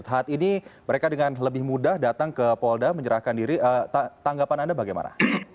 saat ini mereka dengan lebih mudah datang ke polda menyerahkan diri tanggapan anda bagaimana